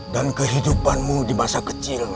dan kehidupanmu di masa kecil